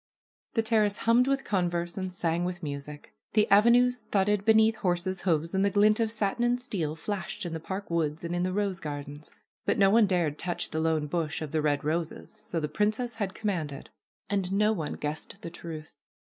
The terrace hummed with converse and sang with music. The avenues thudded beneath horses' hoofs, and the glint of satin and steel flashed in the park woods and in the rose gardens. But no one dared touch the lone bush of the red roses, so the princess had commanded. And no one guessed the truth.